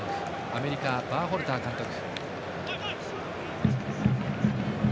アメリカ、バーホルター監督。